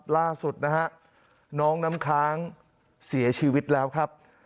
ล่าสุดนะฮะน้องน้ำค้างเสียชีวิตแล้วครับ